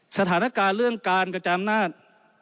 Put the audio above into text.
สถานการณ์เรื่องการกระจายอำนาจ